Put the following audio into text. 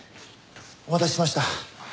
お待たせしました。